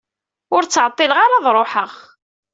Ur ttɛeṭṭileɣ ara ad ṛuḥeɣ.